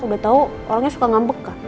udah tau orangnya suka ngambek kak